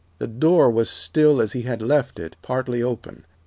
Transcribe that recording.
The door was still as he had left it, partly open.